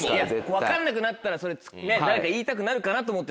分かんなくなったらそれ誰か言いたくなるかなと思って。